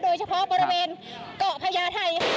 โดยเฉพาะบริเวณเกาะพญาไทยค่ะ